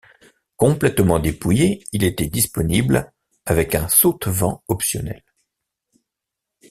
Complètement dépouillé, il était disponible avec un saute vent optionnel.